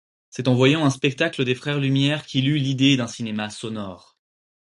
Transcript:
C'est en voyant un spectacle des frères Lumière qu'il eut l'idée d'un cinéma sonore.